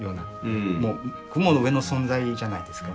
もう雲の上の存在じゃないですかね。